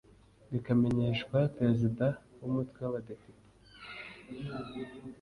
bikamenyeshwa perezida w umutwe w abadepite